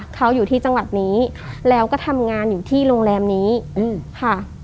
เขาอยู่ที่จังหวัดนี้แล้วก็ทำงานอยู่ที่โรงแรมนี้ค่ะ